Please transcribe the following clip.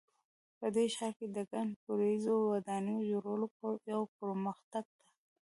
په دې ښار کې د ګڼ پوړیزو ودانیو جوړول یو پرمختګ ده